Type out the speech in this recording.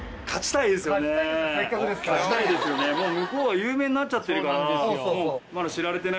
もう向こうは有名になっちゃってるから。